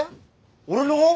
俺の？